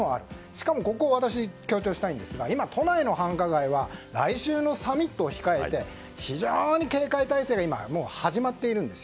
しかもここを、私強調したいんですが今、都内の繁華街は来週のサミットを控えて非常に警戒態勢が始まっているんです。